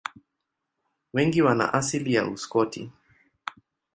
Wengi wana asili ya Uskoti.